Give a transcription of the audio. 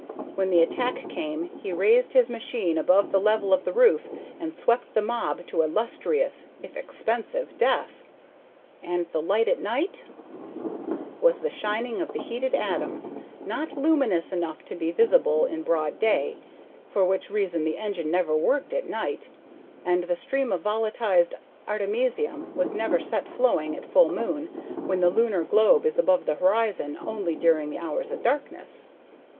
When the attack came he raised this machine above the level of the roof and swept the mob to a lustrous, if expensive, death." "And the light at night " "Was the shining of the heated atoms, not luminous enough to be visible in broad day, for which reason the engine never worked at night, and the stream of volatilized artemisium was never set flowing at full moon, when the lunar globe is above the horizon only during the hours of darkness."